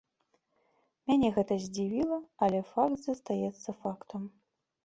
Мяне гэта здзівіла, але факт застаецца фактам.